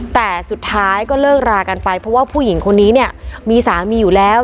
แต่สุดท้ายก็เลิกรากันไปเพราะว่าผู้หญิงคนนี้เนี่ยมีสามีอยู่แล้ว